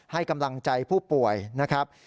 ให้กำลังใจผู้ป่วยนะครับ